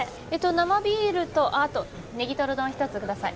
生ビールとあとネギトロ丼１つください